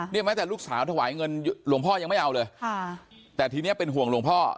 แม้แต่ลูกสาวถวายเงินหลวงพ่อยังไม่เอาเลยค่ะแต่ทีนี้เป็นห่วงหลวงพ่อ